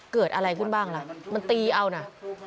เกิดอะไรขึ้นบ้างล่ะมันตีเอานะ